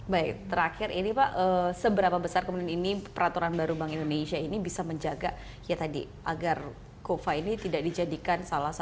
baik terakhir ini pak seberapa besar kemudian ini peraturan baru bank indonesia ini bisa menjaga ya tadi agar cova ini tidak dijadikan salah satu